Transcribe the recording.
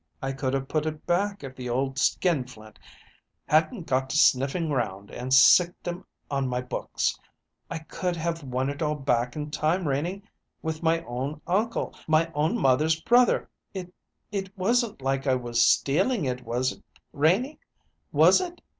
I could have put it back if the old skinflint hadn't got to sniffing round and sicked 'em on my books. I could have won it all back in time, Renie. With my own uncle, my own mother's brother, it it wasn't like I was stealing it, was it, Renie? Was it?"